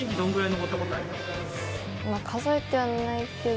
数えてはないけど。